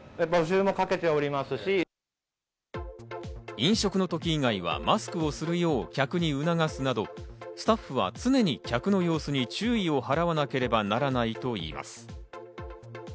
飲食の時以外はマスクをするよう客に促すなど、スタッフは常に客の様子に注意を払わなければならないといいます。